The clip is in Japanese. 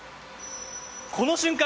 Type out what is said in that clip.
この瞬間。